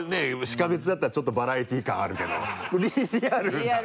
しかめっ面だったらちょっとバラエティー感あるけどリアルだね